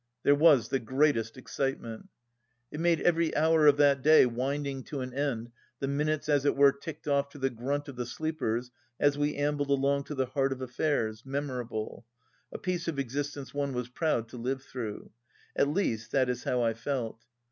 There was the greatest excitement I It made every hour of that day, winding to an end, the minutes as it were ticked off to the grunt of the sleepers as we ambled along to the heart of affairs, memorable — a piece of existence one was proud to live through. At least that is how I felt.